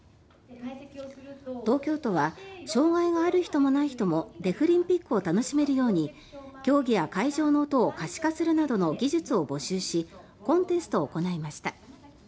東京都は障害がある人もない人もデフリンピックを楽しめるように競技や会場の音を可視化するなどの技術を募集しコンテストを行いました。